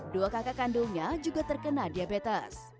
dua kakak kandungnya juga terkena diabetes